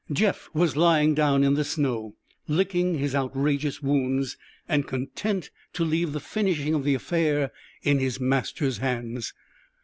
Jeff was lying down in the snow, licking his outrageous wounds, and content to leave the finishing of the affair in his master's hands.